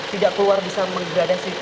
tidak keluar bisa menggradasi